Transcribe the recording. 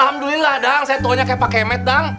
alhamdulillah dang saya tua seperti pak kemet dang